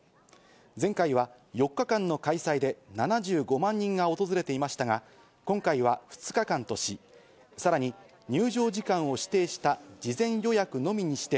前回は４日間の開催で７５万人が訪れていましたが、今回は２日間とし、さらに入場時間を指定した事前予約のみにして、